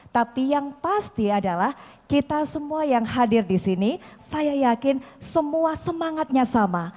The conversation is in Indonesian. tapi yang pasti adalah kita semua yang hadir di sini saya yakin semua semangatnya sama